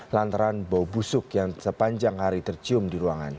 lantaran bau busuk yang sepanjang hari tercium di ruangan